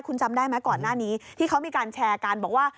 คุณจำได้ไหมก่อนหน้านี้ที่เขามีการแชร์กันบอกว่า